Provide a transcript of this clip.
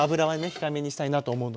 控えめにしたいなと思うので。